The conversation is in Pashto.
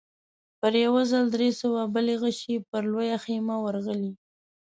په يوه ځل درې سوه بلې غشې پر لويه خيمه ورغلې.